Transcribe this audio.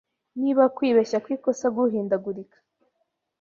Niba kwibeshya kw'ikosa guhindagurika